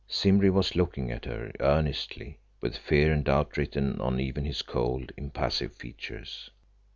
Simbri was looking at her earnestly, with fear and doubt written on even his cold, impassive features.